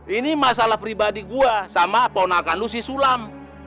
ini masalah pribadi gua sama ponakan lu si sulam